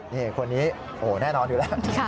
นี่คนนี้โอ้โหแน่นอนอยู่แล้ว